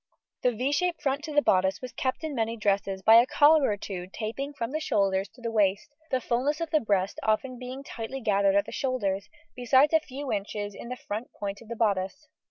The =V= shaped front to the bodice was kept in many dresses by a collar or two tapering from the shoulders to the waist, the fullness of the breast often being tightly gathered at the shoulders, besides a few inches in the front point of the bodice.